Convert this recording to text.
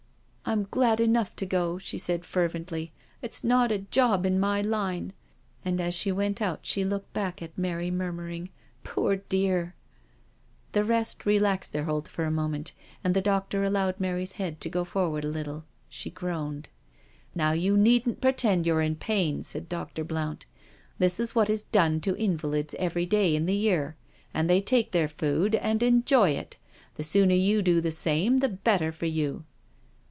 " I'm glad enough to go," she said fervently. " It's not a job in my line," and as she went out she looked back at Mary, murmuring, " Poor dear I " The rest relaxed their hold for a moment, and the doctor allowed Mary's head to go forward a little. She groaned. " Now you needn't pretend you're in pain," said Dr. Blount. " This is what is done to invalids every day in the year, and they take their food and enjoy it — the sooner you do the same the better for you.'